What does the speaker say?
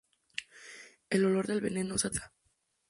El olor del veneno satura la pieza.